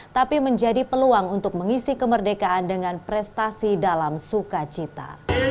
tapi menjadi peluang untuk mengisi kemerdekaan dengan prestasi dalam sukacita